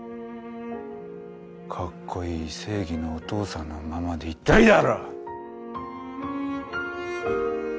カッコイイ正義のお父さんのままでいたいだろ？